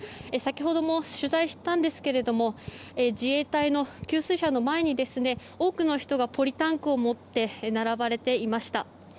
先ほども取材したんですけれども自衛隊の給水車の前に多くの人がポリタンクを持って並ばれていました。